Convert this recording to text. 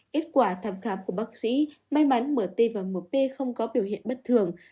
kết quả thăm khám của bác sĩ may mắn mở tê và mở pê không có biểu hiện bất thường